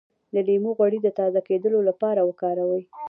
د لیمو غوړي د تازه کیدو لپاره وکاروئ